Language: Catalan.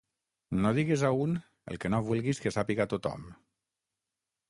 No diguis a un el que no vulguis que sàpiga tothom.